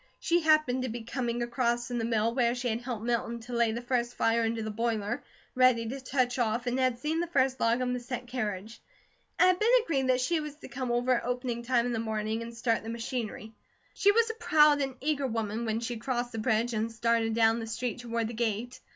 She happened to be coming across from the mill, where she had helped Milton lay the first fire under the boiler ready to touch off, and had seen the first log on the set carriage. It had been agreed that she was to come over at opening time in the morning and start the machinery. She was a proud and eager woman when she crossed the bridge and started down the street toward the gate.